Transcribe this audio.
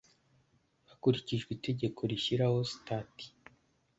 hakurikijwe itegeko rishyiraho sitati